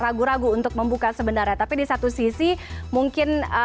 ragu ragu untuk membuka sebenarnya tapi di satu sisi mungkin